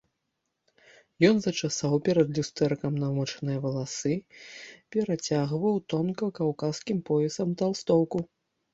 Ён зачасаў перад люстэркам намочаныя валасы, перацягваў тонка каўказскім поясам талстоўку.